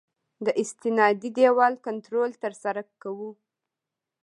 د استنادي دیوال کنټرول ترسره کوو